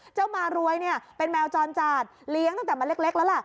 เจ้ามารวยเป็นแมวจรจาดเลี้ยงตั้งแต่มันเล็กแล้วล่ะ